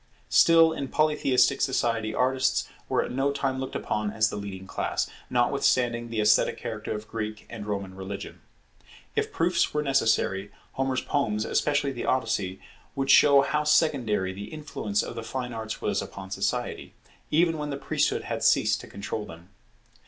Still in Polytheistic society artists were at no time looked upon as the leading class, notwithstanding the esthetic character of Greek and Roman religion. If proofs were necessary, Homer's poems, especially the Odyssey, would show how secondary the influence of the fine arts was upon society, even when the priesthood had ceased to control them.